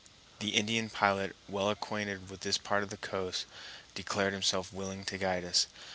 The Indian pilot, well acquainted with this part of the coast, declared himself willing to guide us.